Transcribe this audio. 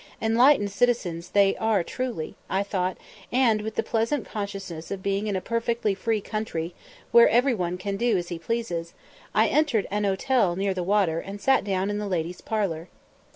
"Enlightened citizens" they are truly, I thought, and, with the pleasant consciousness of being in a perfectly free country, where every one can do as he pleases, I entered an hotel near the water and sat down in the ladies' parlour.